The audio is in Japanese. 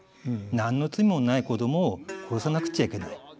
「何の罪もない子供を殺さなくちゃいけない。